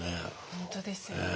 本当ですよね。